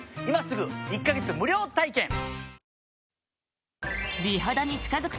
今すぐ１か月無料体験！